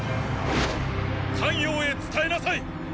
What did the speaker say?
咸陽へ伝えなさい！